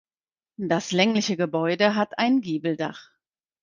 Das längliche Gebäude hat ein Giebeldach.